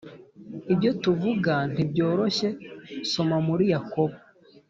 ibyo tuvuga ntibyoroshye Soma muri Yakobo